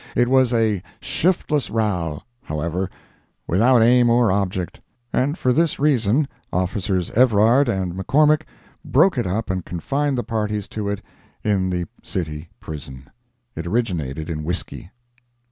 It was a shiftless row, however, without aim or object, and for this reason officers Evrard and McCormick broke it up and confined the parties to it in the City Prison. It originated in whiskey.